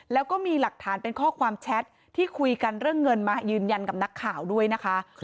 แล้วก็มีหลักฐานเป็นข้อความแชทที่คุยกันเรื่องเงินมายืนยันกับนักข่าวด้วยนะคะ